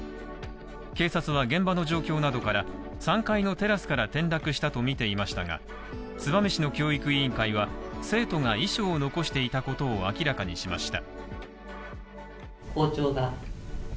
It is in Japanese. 警察は現場の状況などから３階のテラスから転落したとみていましたが、燕市の教育委員会は生徒が遺書を残していたことを明らかにしました。